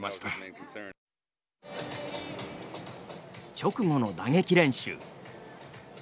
直後の打撃練習。